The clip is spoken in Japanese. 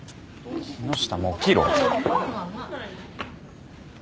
木下も起きろ。